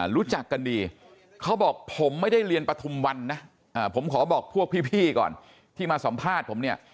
รู้จักกันดีเขาบอกผมไม่ได้เรียนปฐุมวันนะผมขอบอกพวกพี่ก่อนที่มาสัมภาษณ์ผมเนี่ย